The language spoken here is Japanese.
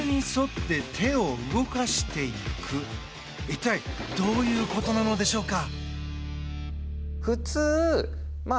一体どういうことなのでしょうか。